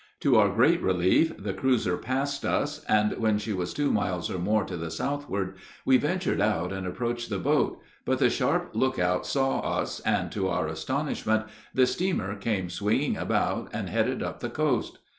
To our great relief, the cruiser passed us, and when she was two miles or more to the southward we ventured out and approached the boat, but the sharp lookout saw us, and, to our astonishment, the steamer came swinging about, and headed up the coast.